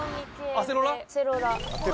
アセロラ。